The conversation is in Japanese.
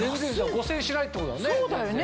５０００円しないってことだもんね。